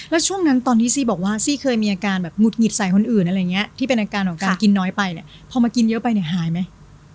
แล้วช่วงนั้นตอนที่ซี่บอกว่าซี่เคยมีอาการแบบหงุดหงิดใส่คนอื่นอะไรอย่างเงี้ยที่เป็นอาการของการกินน้อยไปเนี่ยพอมากินเยอะไปเนี่ยหายไหม